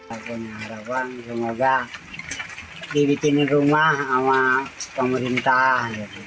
aku punya harapan semoga dibikinin rumah sama pemerintah